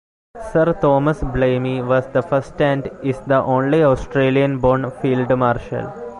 Sir Thomas Blamey was the first and is the only Australian-born field marshal.